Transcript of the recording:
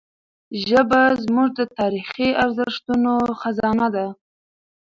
ژبه زموږ د تاریخي ارزښتونو خزانه ده.